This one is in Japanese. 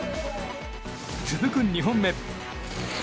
続く２本目。